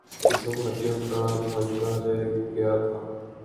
جسم ہڈیوں کا ڈھانچا رہ گیا تھا